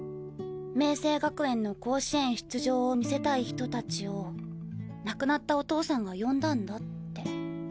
明青学園の甲子園出場を見せたい人達を亡くなったお父さんが呼んだんだって。